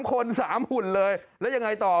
คน๓หุ่นเลยแล้วยังไงต่อ